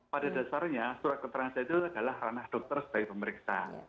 pada dasarnya surat keterangan saya itu adalah ranah dokter sebagai pemeriksa